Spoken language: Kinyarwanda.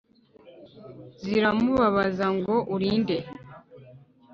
Ziramubabaza ngo Uri nde